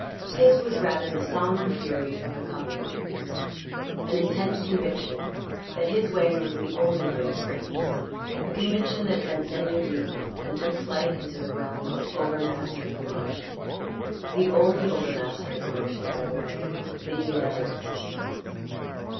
His was rather the sombre fury of the Covenanters an intense conviction that his way was the only way of grace a conviction that transcended reason and took flight into the realm of overmastering emotion the only overmastering emotion, by the way, that he had ever experienced.